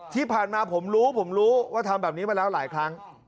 ที่ผ่านมาผมรู้ผมรู้ว่าทำแบบนี้มาแล้วหลายครั้ง